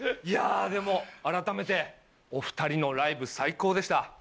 いやでも改めてお２人のライブ最高でした。